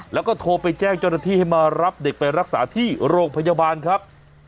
แล้วก็โทรไปแจ้งเจ้าหน้าที่ให้มารับเด็กไปรักษาที่โรงพยาบาลครับ